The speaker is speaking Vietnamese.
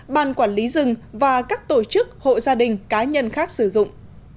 ban quản lý rừng và các tổ chức hộ gia đình cá nhân khác sử dụng